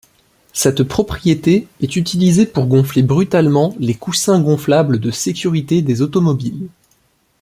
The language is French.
Cette propriété est utilisée pour gonfler brutalement les coussins gonflables de sécurité des automobiles.